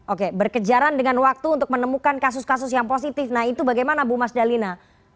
oke berkejaran dengan waktu untuk menemukan kasus kasus yang positif nah itu bagaimana bu mas dalina